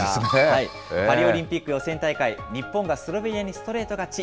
パリオリンピック予選大会、日本がスロベニアにストレート勝ち。